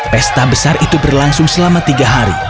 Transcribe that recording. pesta besar itu berlangsung selama tiga hari